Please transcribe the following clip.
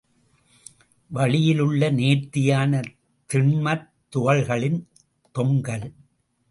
வளியிலுள்ள நேர்த்தியான திண்மத் துகள்களின் தொங்கல்.